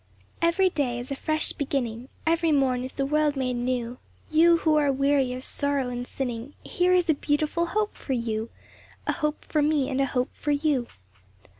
VERY day is a fresh beginning, Every morn is the world made new. You who are weary of sorrow and sinning, Here is a beautiful hope for you, A hope for me and a hope for you.